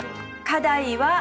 課題は。